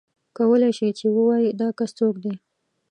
کولای شې چې ووایې دا کس څوک دی.